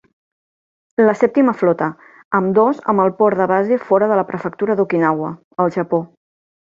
La sèptima flota, ambdós amb el port de base fora de la Prefectura d'Okinawa, El Japó.